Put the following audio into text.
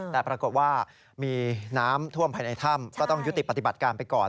แต่ปรากฏว่ามีน้ำท่วมภายในถ้ำก็ต้องยุติปฏิบัติการไปก่อน